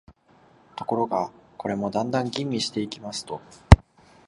ところが、これもだんだん吟味していきますと、